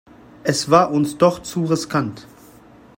Es war uns doch zu riskant.